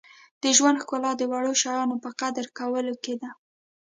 • د ژوند ښکلا د وړو شیانو په قدر کولو کې ده.